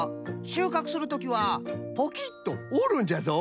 しゅうかくするときはポキッとおるんじゃぞ。